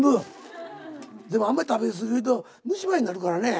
でもあんまり食べ過ぎると虫歯になるからね。